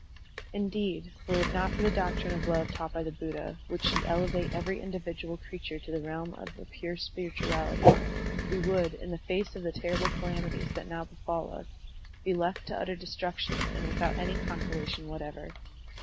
Indeed, were it not for the doctrine of love taught by the Buddha, which should elevate every individual creature to the realm of a pure spirituality, we would, in the face of the terrible calamities that now befall us, be left to utter destruction and without any consolation what ever.